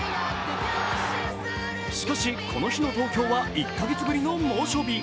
しかしこの日の東京は１カ月ぶりの猛暑日。